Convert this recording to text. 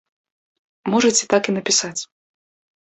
Можаце так і напісаць.